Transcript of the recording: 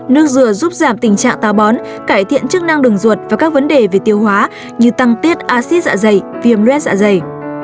nước dừa giúp giảm tình trạng tàu bón cải thiện chức năng đường ruột và các vấn đề về tiêu hóa như tăng tiết acid dạ dày viêm luet dạ dày